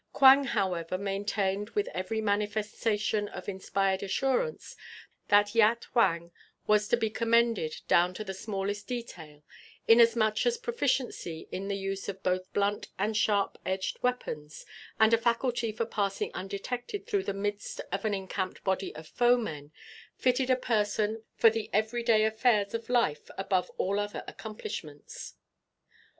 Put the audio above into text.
Quang, however, maintained with every manifestation of inspired assurance that Yat Huang was to be commended down to the smallest detail, inasmuch as proficiency in the use of both blunt and sharp edged weapons, and a faculty for passing undetected through the midst of an encamped body of foemen, fitted a person for the every day affairs of life above all other accomplishments.